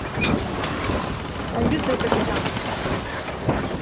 Аҩыза акапитан!